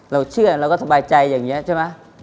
เราเชื่อเราก็สบายใจอย่างนี้ใช่ไหม